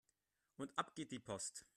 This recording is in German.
Und ab geht die Post!